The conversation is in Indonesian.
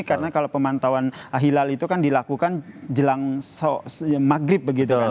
karena kalau pemantauan hilal itu kan dilakukan jelang maghrib begitu kan